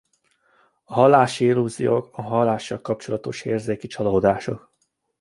A hallási illúziók a hallással kapcsolatos érzéki csalódások.